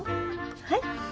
はい。